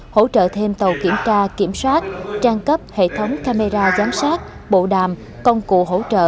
hỗ trợ thêm tàu kiểm tra kiểm soát trang cấp hệ thống camera giám sát bộ đàm công cụ hỗ trợ